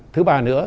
thứ ba nữa